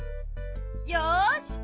よし！